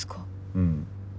うん。